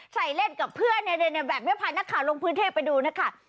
ใส่เล่นกับเพื่อนแบบนี้พานักข่าวลงพื้นที่ไปดูนะคะ